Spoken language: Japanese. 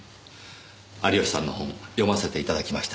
有吉さんの本読ませていただきました。